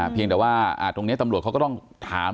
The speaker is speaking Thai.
เพียงแต่ว่าตรงนี้ตำรวจเขาก็ต้องถาม